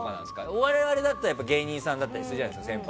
お笑いだと芸人さんだったりするじゃないですか。